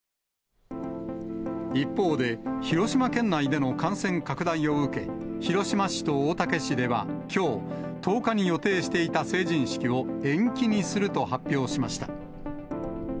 一方で、広島県内での感染拡大を受け、広島市と大竹市ではきょう、１０日に予定していた成人式を延期にすると発表しました。